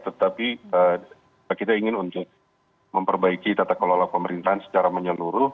tetapi kita ingin untuk memperbaiki tata kelola pemerintahan secara menyeluruh